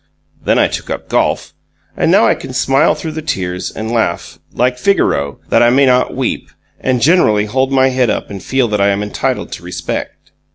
Then I took up golf, and now I can smile through the tears and laugh, like Figaro, that I may not weep, and generally hold my head up and feel that I am entitled to respect.